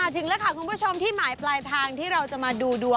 ถึงแล้วค่ะคุณผู้ชมที่หมายปลายทางที่เราจะมาดูดวง